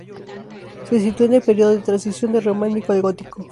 Se sitúa en el periodo de transición del Románico al Gótico.